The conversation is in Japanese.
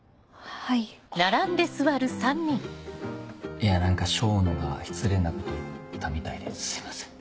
いや何か笙野が失礼なこと言ったみたいですいません。